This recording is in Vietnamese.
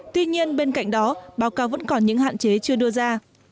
tuy nhiên bên cạnh đó báo cáo vẫn còn những hạn chế chưa đưa ra